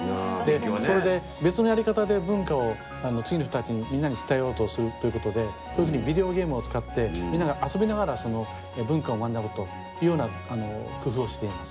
それで別のやり方で文化を次の人たちにみんなに伝えようとするということでこういうふうにビデオゲームを使ってみんなが遊びながらその文化を学ぶというような工夫をしています。